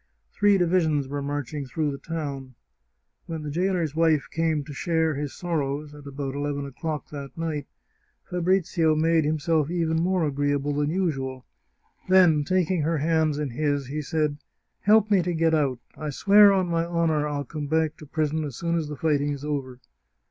Three divisions were marching through the town. When the jailer's wife came to share his sorrows, at about eleven o'clock that night, Fabrizio made himself even more agree able than usual. Then, taking her hands in his, he said: " Help me to get out ! I swear on my honour I'll come back to prison as soon as the fighting is over."